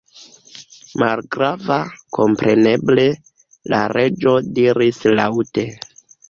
"Malgrava, kompreneble," la Reĝo diris laŭte.